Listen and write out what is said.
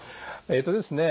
えっとですね